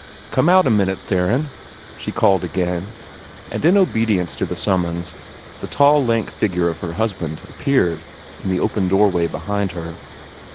"Come out a minute, Theron!" she called again; and in obedience to the summons the tall lank figure of her husband appeared in the open doorway behind her.